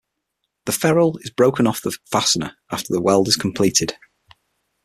The ferrule is broken off of the fastener after the weld is completed.